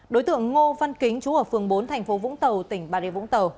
đối tượng ngô văn kính trú ở phường bốn thành phố vũng tàu tỉnh bà rịa vũng tàu